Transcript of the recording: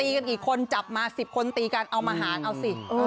กันกี่คนจับมา๑๐คนตีกันเอามาหารเอาสิ